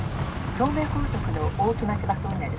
東名高速の大木松葉トンネル